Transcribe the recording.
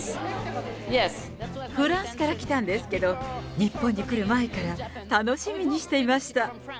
フランスから来たんですけど、日本に来る前から、楽しみにしていました。